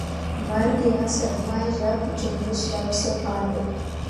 مر گیا صدمۂ یک جنبش لب سے غالبؔ